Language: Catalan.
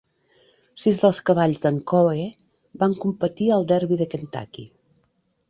Sis dels cavalls de"n Coe van competir al Derby de Kentucky.